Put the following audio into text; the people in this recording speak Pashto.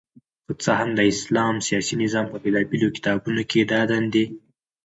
که څه هم د اسلام سياسي نظام په بيلابېلو کتابونو کي دا دندي